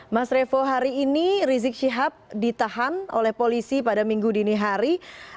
mas revo hari ini rizik syihab ditahan oleh polisi pada minggu dini hari